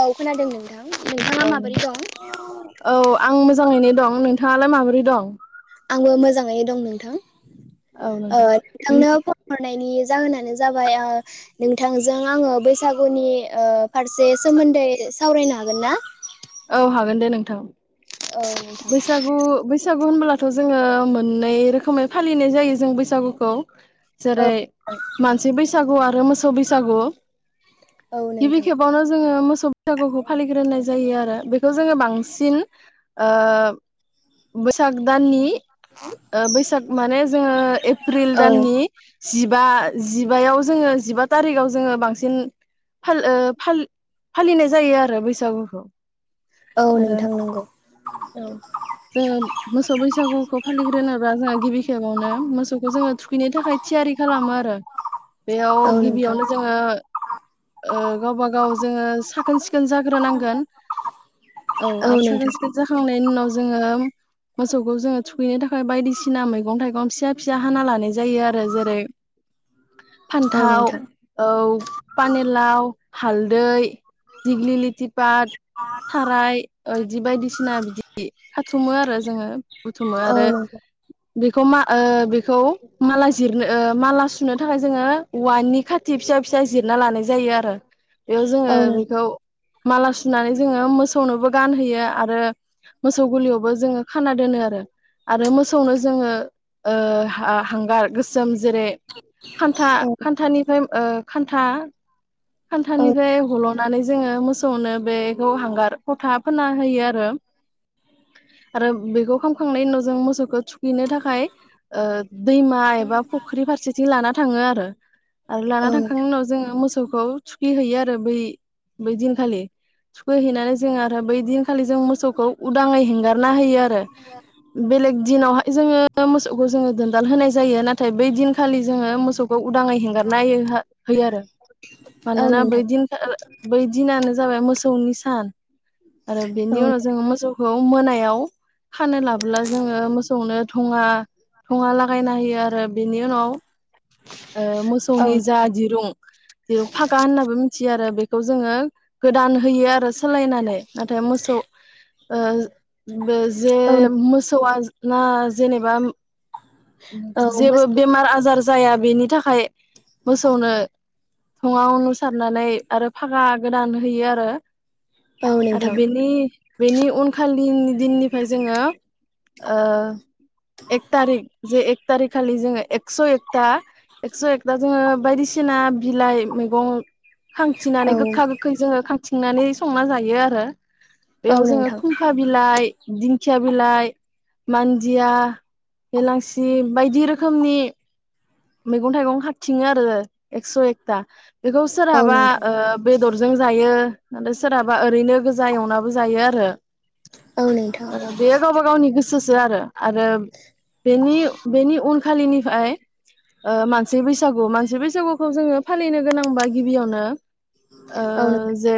औ खोनादों नोंथां नोंथाङा औ माबोरै नोंथां दं? आं मोजाङैनो औ दं नोंथाङालाय माबोरै दं? आंबो मोजाङैनो दं नोंथां। औ ओ नोंथां नोंथांनो फन हरनायनि जाहोनानो जाबाय ओ नोंथांजों आङो बैसागुनि ओ फारसे सोमोन्दै सावरायनो हागोन ना? औ हागोन दे नोंथां। औ नोंथां बैसागु बै बैसागु होनबोलाथ' जोङो मोननै रोखोमै फालिनाय जायो जों बैसागुखौ औ जेरै मानसि बैसागुआ रो मोसौ बैसागु औ गिबि नोंथां खेबावनो जोङो मो [unintelligible] बैसागुखौ फालिग्रोनाय जायो आरो बेखौ जोङो बांसिन ओ बोसाग दाननि ओ बैसाग माने जोङो एप्रिल औ दाननि जिबा जिबायाव जोङो जिबा तारिगाव जोङो बांसिन फाल ओ फाल-फालिनाय जायो आरो बैसागुखौ औ आरो नोंथां नंगौ औ जोङो मोसौ बैसागुखौ फालिग्रोनोब्ला जोंहा गिबि खेबावनो मोसौखौ जोङो थुख थुखैनो थाखाय थियारि खालामो आरो बेयाव औ नोंथां गिबियावनो जोङो ओ गावबा गाव जों साखोन सिख खोन जाग्रोनांगोन औ आरो साखोन सिख नायनि उनाव जोङो मोसौखौ जोङो थुखैनो थाखाय बायदिसिना मैगं थाइगं फिसा फिसा हाना लानाय जायो आरो जेरै औ फान्थाव नोंथां नोंथां औ पानिलाउ हालदै दिग्लि लिथि पात, थाराय इदि बायदि सिना बिदि बिदि खाथुमो आरो जोङो बुथुमो औ आरो नोंथां बेखौ मा ओ बेखौ माला जिरनो ओ माला सुनो थाखाय जोङो औवानि खाथि फिसा फिसा जिरना लानाय जायो आरो बेयाव जोङो औ बेखौ माला सुनानै जोङो मोसौनोबो गानहोयो आरो मोसौ गुलियावबो जोङो खाना दोनो आरो आरो मोसौनो जोङो ओ हा हांगार गोसोम जेरै खान्था खान्थानिफाय ओ खान्था औ खान्थानिफाय हल'नानै जोङो मोसौनो बेखौ हांगार फथा फोनना होयो आरो आरो बेखौ खामखांनायनि उनाव जों मोसौखो थुखैनो थाखाय ओ दैमा एबा फख्रि फारसेथिं लाना थाङो आरो आरो औ लाना नोंथां थांखांनायनि उनाव जोङो मोसौ खौ थुखैहैयो आरो बै बै दिनखालि थुखै हैैनानै जों आरो बै दिनखालि जों मोसौ खौ उदाङै हेंगार ना होयो आरो बेलेग दिनावहा जोङो मोसौखौ जोङो दोन [unintelligible] होनाय जायो नाथ थाय बै दिनखालि जोङो मोसौखौ उदाङै हेंगारना होयोहो होयो आरो मानोना बै दिन खा बै‌ दिनानो जाबाय मोसौनि सान आरो औ बेनि उनाव सौखौ मोनायाव खानो लाबोला जोङो मोसौनो थङा थङा लागायना होयो आरो बेनि उनाव ओ औ मोसौनि जा दिरुं दिरुं फागा होननाबो मिथियो आरो बे खौ जोङो गोदान होयो आरो सोलायनानै नाथाय मोसौ ओ ज बे जे औ मोसौया ना जेनेबाम औ जेबो मोसौ बेमार आजार जाया बेनि थाखाय मोसौनो थङा अनुसारनानै आरो फागा गोदान होयो आरो औ आरो नोंथां बेनि बेनि उनखालिनि दिननिफाय जोङो ओ एक थारिक जे एक थारिख खालि जोङो एक स' एकथा एकस' एकथा जोङो बायदिसिना बिलाइ मैगं औ खांथिंनानै गोख्खा गोख्खै जोङो खांथिं थांनानै संना जायो आरो। औ बेयाव जोङो नोंथां खुंखा बिलाइ दिंखिया बिलाइ मान्दिया हेलांसि जि बायदि रोखोमनि मैगं थाइगं खाथिं आरो एकस' एकथा बेखौ ओ‌ औ नोंथां बे बेदरजों जायो नाथाय सोरहाबा ओरैनो गोजा एवनाबो जायो आरो औ नोंथां ओ बे गावबा गावनि सोसो आरो आरो बेनि बेनि उन खालिनिफ्राय ओ मानसि बैसागु मानसि बैसागुखौ जोङो फालिनो गोनांबा गिबियावनो ओ औ नोंथां जे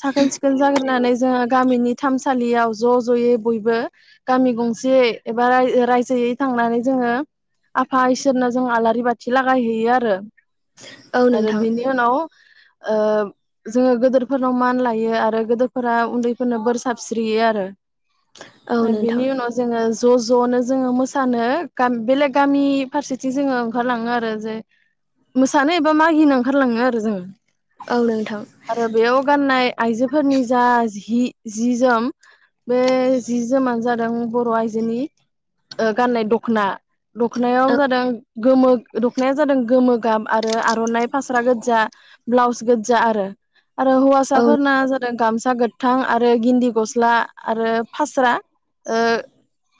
साखोन सिखोन जाग्रोनानै जोङो गामिनि थामसालियाव ज' ज'यै बयबो गामि गंसेयै एबा रायजोयै थांनानै जोङो आफा इसोरनो जों आला रि बाथि लागायहैयो आरो औ आरो नोंथां बिनि उनाव ओ जोङो गोदोरफोरनाव मान लायो आरो गोदोरफोरा उन्दैफोरनो बोर साबस्रियो आरो औ ओ नोंथां बिनि उनाव जोङो ज' ज'नो जोङो मोसानो गामि बेलेग गामि फारसेथिं जोङो ओंखारलाङो आरो जे मोसानो एबा मागिनो ओंखारलाङो आरो जोङो औ नोंथां आरो बेयाव गाननाय आइजोफोरनि जा हि जि जोम बे जि जोमानो जादों बर' आइजोनि ओ गाननाय दख'ना औ दख'नायाव जादों गोमो दखनाया जादों गोमो गाब आरो आर'नाइ फास्रा गोजा ब्लाउस गोजा आरो आरो औ हौवासाफोरना जादों गामसा गो गोथां आरो गिन्दि गस्ला आरो फास्रा ओ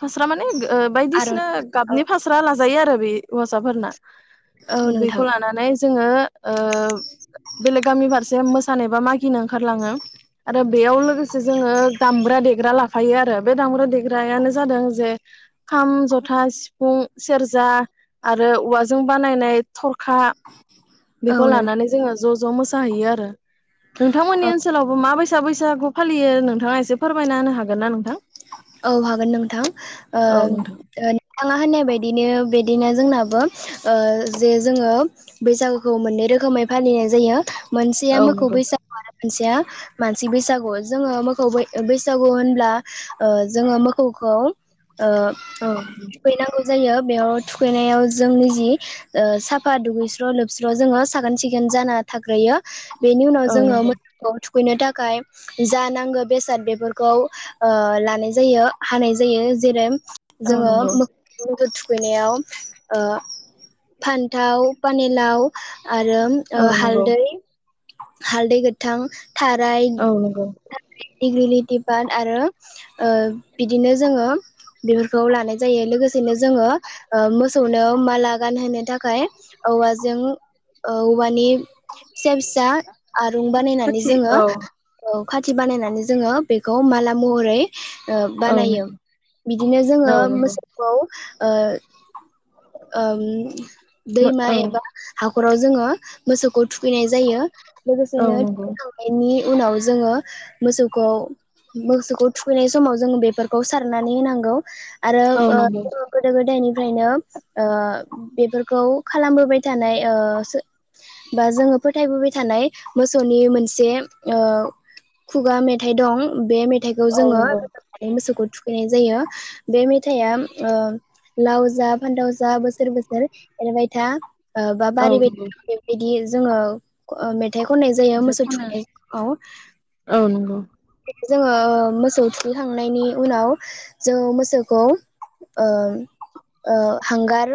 फास स्रा माने गो ओ बायदिसिना आर'नाइ औ गाबनि फास्रा ला जायो आरो बि हौवासाफोरना औ बेखौ नोंथां लानानै जोङो ओ बेलेग गामि फारसे मोसानाय बा मागिनो ओंखारलाङो आरो बेयाव लोगो जोङो दामग्रा दे देग्रा लाफायो आरो बे दामब्रु देग्रायानो जादों जे खाम जथा सिफुं सेरजा आरो औवाजों बानायनाय थर खा औ बेखौ नोंथां लानानै जोङो ज' ज' मोसाहैयो आरो औ नोंथांमोननि ओनसोलावबो माबाय सा बैसागु फालियो नोंथाङा एसे फोरमायना होनो हागोन ना नोंथां? औ हागोन नोंथां ओ औ नोंथां ओ नों थाङा होननाय बायदिनो बिदिनो जोंनाबो ओ जे जोङो बैसागुखौ मोननै रोखोमै फालिनाय जायो मोनसेय औ मोखौ‌ नंगौ बैसागु आरो मोनसेया मानसि बैसागु जोङो मोखौ बैसागु होनब्ला ओ जोङो मोखौखौ ओ औ थुखैनांगौ जायो बेयाव थुखैनायाव जोंनि जि साफा दुगैस्र' लोबस्र' जोङो साखोन सिखोन जाना थाग्रोयो बेनि उनाव जोङो नंगौ मोखौखौ दुख खैनो थाखाय जा नांगौ बेसाद बेफोरखौ ओ लानाय जायो हानाय जायो जेरै औ नंगौ जोङो [unintelligible] खैनायाव फान्थाव, पानिलाव आरो औ नंगौ हालदै हालदै गोथां थाराय औ नंगौ दिगुलिथि बान आरो ओ बिदिनो जोङो बेफोरखौ लानाय जायो लोगोसेनो जोङो मोसौनो माला गानहोनो थाखाय औवाजों औवानि फिसा फिसा आरुं बानायनानै खाथि जोङो औ खाथि बानायनानै जोङो बेखौ माला महरै ओ बानायो बिदिनो जोङो औ नंगौ मोसौखौ ओ ओम दैमा औ एबा हाख ख'राव जोङो मोसौखौ थुख खैनाय जायो औ लोगोसेनो नंगौ थुखैखांनायनि उनाव जोङो मोसौखौ मोसौखौ थुखैनाय समाव जोंङो बेफोरखौ सारनानै होनांगौ आरो औ नंगौ जोङो गोदो गोदायनि फ्रायनो बेफोरखौ खालामबोबाय ओ थानाय बा जोङो फोथायबोबाय थानाय मोसौनि मोनसे ओ खुगा मेथाइ दं बे मेथ थाइखौ औ जोङो नंगौ रोजाबनानै मोसौखौ थुखैनाय जायो बे मेथाइआ ओ लाव जा फान्थाव जा बोसोर बोसोर एरबाय था औ बाबारै नंगौ बायदि बेबायदि जोङो ओ मेथ मेथाइ खननाय जायो ओमफ्राय मोसौ खनो थुखैनाआव। औ नंगौ जोङो मोसौ थुखैखांनायनि उनाव जों मोसौखौ ओ-ओ हांगार।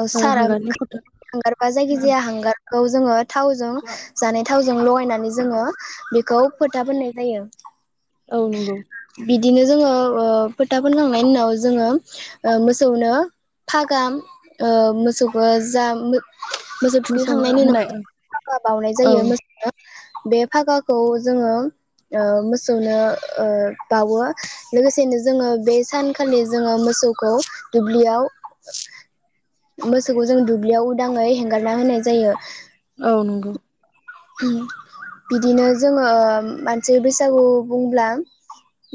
ओ साराम हांगारनि फथा हांगारबा जायखिजाया हांगार। खौ जोङो थावजों जानाय थावजों लगायनानै जोङो बेखौ फोथा फोननाय जायो। औ नंगौ। बिदिनो जोङो ओ फोथा फोनखांनायनि उनाव जोङो मोसौनो फागाम। ओ मोसौखौ जा मो। मोसौ मोसौनो थुखैखांनायनि होनाय उनाव हाबा बावनाय औ जायो मोसौनो। बे फागाखौ जोङो ओ मोसौनो ओ बावो लोगोसेनो जोङो बे सानखालि जोङो मोसौखौ दुब्लियाव। मोसौखौ जों दुब्लियाव। उदाङै हेंगारना होनाय जायो। औ नंगौ। उम। बिदिनो जोंङो। मानसि बैसागु बुंब्ला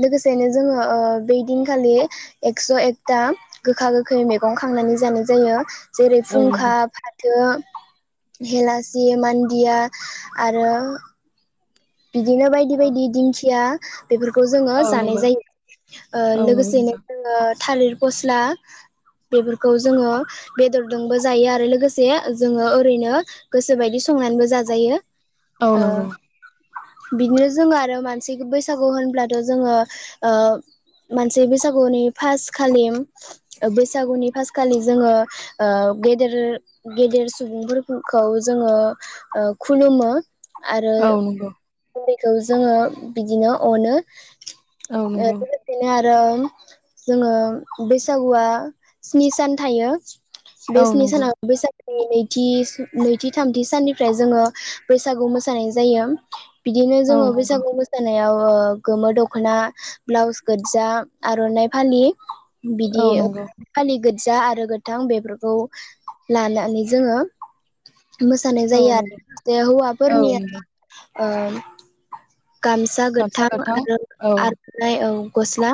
लोगोसेनो जोङो ओ बै दिनखालि एक्स एकथा गोखा गोखै मैगं खांनानै जानाय जायो। जेरै औ नंगौ फुंखा फाजि। थो हेलासि मान्दिया। आरो। बिदिनो औ बायदि-बायदि दिंखिया। बेफोरखौ जोङो औ जानाय नंगौ जायो ओ औ नंगौ लोगोसेयैनो नोंथां जोङो। थालिर फस्ला बेफोरखौ जोंङो बेदरदोंबो जायो आरो लोगोसे जोंङो ओरैनो गोसोबायदि संनानैबो जाजायो। औ ओ नंगौ। बिदिनो जोंङो आरो मानसि बैसागु होनब्लाथ जोंङो ओ मानसि बैसागुनि फास खालि बैसागुनि फास खालि जोंङो ओ गेदेर सुबुंफोरखौ जोंङो खुलुमो। आरो औ नंगौ। उन्दैखौ जोंङो बिदिनो अनो। औ ओ नंगौ बेबायदिनो आर। रोम जोंङो बैसागुआ स्नि सान थायो। बे औ स्न नंगौ सानाव बै। नैथि थामथि साननिफ्राय जोंङो बैसागु मोसानाय जायो। बिदिनो औ नंगौ औ जोंङो नंगौ बैसागु मोसानायाव। ओ गोमो दखना ब्लाउस गोजा आरनाइ फालि। बिदि ओ औ फालि गोद जा आरो गोथां बेफोरखौ ला लानानै जोंङो मोसानाय जायो नंगौ आरो औ हौवाफोरनि नंगौ ओ गामसा गोथां आरो औ आर'नाइ औ गस्ला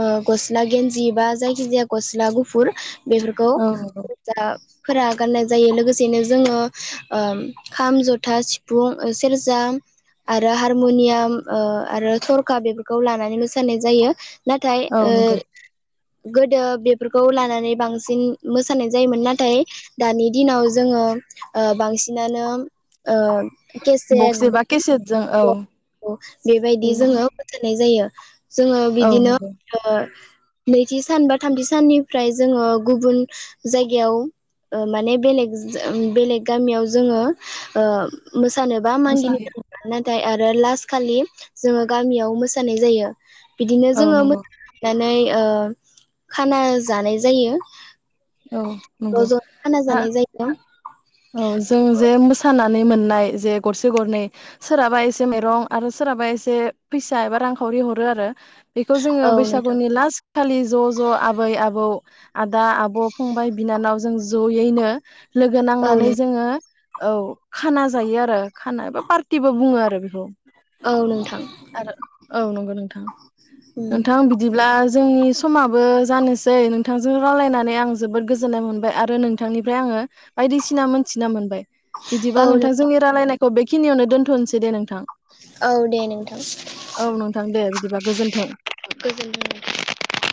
ओ गस्ला गेन्जि बा जायखि जाया गस्ला गुफुर बेफोरखौ औ नंगौ फोर गाननाय जायो लोगोसेनो जोङो ओ खाम जथा सिफुं सेरजा आरो हारमनियाम आरो थरखा बेफोरखौ लानानै मोसानाय जायो। नाथाय औ ओ नंगौ गोदो बेफोरखौ लानानै बांसिन मोसानाय जायोमोन नाथाय दानि दिनाव जोङो ओ बांसिनानो ओ बक्स केसेद एबा केसेटजों औ [unintelligible] बेबायदि बेजों जोङो जायो। जोङो औ बिदिनो नंगौ [unintelligible] नैथि सान बा थामथि साननिफ्राय जोङो गुबुन जायगायाव ओ माने बेलेग बेलेग गामियाव जोङो ओ मोसानोबा मागिनि मोसाहैयो थाखाय नाथाय आरो लास्ट खालि जोङो गामियाव मोसानाय जायो। बिदिनो औ जोङो मो नंगौ नै ओ खाना जानाय जायो। औ ज' नंगौ ज' खाना ना जानाय जायो। औ जों जे मोसाना मोननाय जे गरसे गरनै सोरहाबा एसे माइरं आरो सोरहाबा एसे फैसा एबा रांखावरि हरो आरो। बेखौ जोङो औ नोंथां बैसागुनि लास्ट खालि ज' ज' आबै आबौ आदा आब' फंबाय बिनानाव जों जयैनो लोगो नां औ नै जोङो औ खाना जायो आरो खाना एबा पार्टिबो बुङो आरो बेखौ। औ नोंथां आरो औ नंगौ नोंथां नोंथां बिदिब्ला जोंनि समाबो जानोसै। बिथांजों रायलायनानै आं जोबोद गोजोननाय मोनबाय आरो नोंथांनिफ्राय आङो बायदिसिना मोनथिना मोनबाय बिदिबा नोंथां जोंनि रायलायनाय औ बेखिनियावनो दोनथ'नोसै दे नोंथां। [inaudible] औ दे नोंथां औ नोंथां दे बिदिबा गोजोन्थों गोजोनथों।